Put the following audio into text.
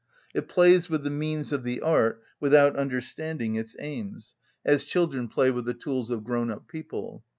It plays with the means of the art without understanding its aims, as children play with the tools of grown‐up people.